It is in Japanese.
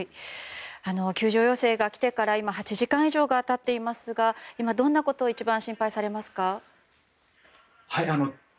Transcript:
救助要請が来てから８時間以上が経っていますが今どんなことを一番心配されますか。